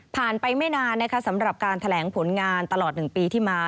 ผ่านไปไม่นานการแถลงผลงานตลอด๑ปีที่มา